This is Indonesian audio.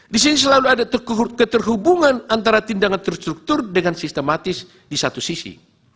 di sini selalu ada keterhubungan antara tindakan terstruktur dengan sistematis di satu sisi